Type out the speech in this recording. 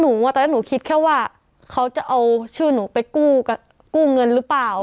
ตอนนั้นหนูคิดแค่ว่าเขาจะเอาชื่อหนูไปกู้เงินหรือเปล่า